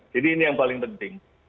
jadi ini yang paling penting